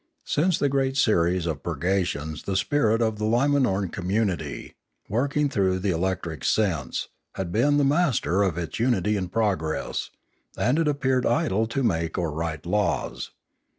518 Limanora Since the great series of purgations the spirit of the Limanorau community, working through the electric sense, had been the master of its unity and progress, and it appeared idle to make or write laws.